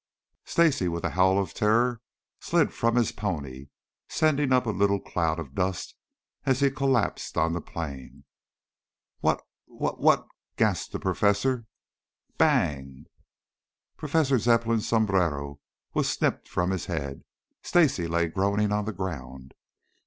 Stacy with a howl of terror slid from his pony, sending up a little cloud of dust as he collapsed on the plain. "Wha what what " gasped the professor. Bang! Professor Zepplin's sombrero was snipped from his head. Stacy lay groaning on the ground.